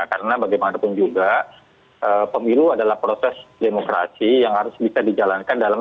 karena bagaimanapun juga pemilu adalah proses demokrasi yang harus bisa dijalankan dalam